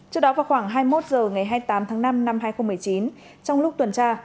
trước đó vào khoảng hai mươi một h ngày hai mươi tám tháng năm năm hai nghìn một mươi chín trong lúc tuần tra